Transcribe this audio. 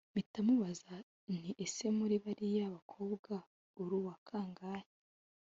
mpita mubaza nti ese muri bariya bakobwa uri uwakangahe